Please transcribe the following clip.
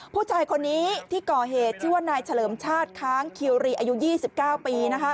ผู้ชายคนนี้ที่ก่อเหตุชื่อว่านายเฉลิมชาติค้างคิวรีอายุ๒๙ปี